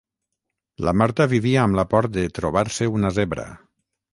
La Marta vivia amb la por de trobar-se una zebra.